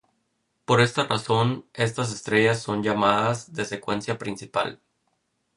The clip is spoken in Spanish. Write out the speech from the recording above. Por esta razón, estas estrellas son llamadas "de secuencia principal".